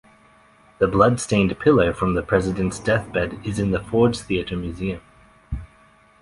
The blood-stained pillow from the President's deathbed is in the Ford's Theatre Museum.